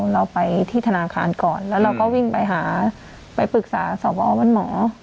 เราไปที่ธนาคารก่อนแล้วเราก็วิ่งไปหาไปปรึกษาสอบพอบ้านหมอ